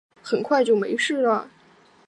很快就没事了